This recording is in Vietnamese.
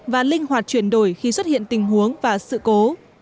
và linh hoạt chuyển đổi khi xuất hiện tình huống và sự cố